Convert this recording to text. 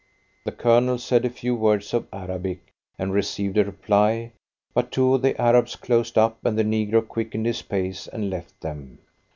The Colonel said a few words of Arabic and received a reply, but two of the Arabs closed up, and the negro quickened his pace and left them.